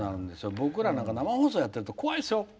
僕らなんか生放送やってると怖いですよ。